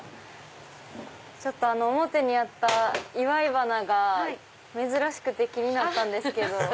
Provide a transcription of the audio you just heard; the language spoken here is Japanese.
ちょっと表にあった祝い花が珍しくて気になったんですけど。